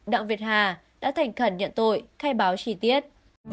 đặng việt hà đã thành khẩn nhận tội khai báo chi tiết